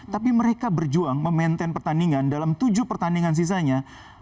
tapi mereka berjuang memaintain pertandingan dalam tujuh pertandingan sisanya